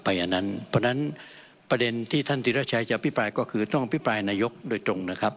เพราะฉะนั้นประเด็นที่ท่านธิรัชัยจะอภิปรายก็คือต้องอภิปรายนายกโดยตรงนะครับ